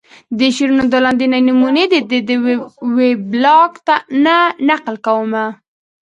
د شعرونو دا لاندينۍ نمونې ددوې د وېبلاګ نه نقل کومه